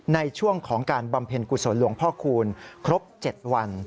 ในช่วงของการบำเพ็ญกุศลหลวงพ่อคูณครบ๗วัน